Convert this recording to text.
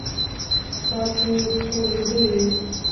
تاسی ټول ویده یی